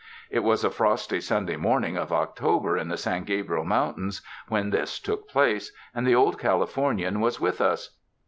It was a frosty Sunday mornmg of October in the San Gabriel Mountains when this took place, and the Old Californian was with us.